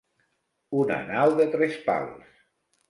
Una nau de tres pals.